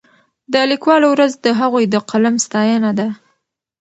د لیکوالو ورځ د هغوی د قلم ستاینه ده.